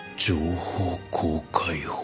情報公開法。